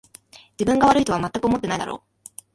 自分が悪いとはまったく思ってないだろう